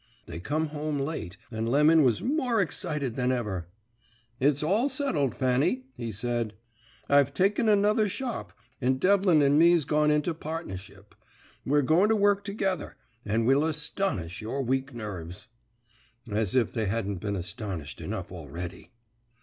"They come home late, and Lemon was more excited than ever. "'It's all settled, Fanny,' he said, 'I've taken another shop, and Devlin and me's gone into partnership. We're going to work together, and we'll astonish your weak nerves.' "As if they hadn't been astonished enough already.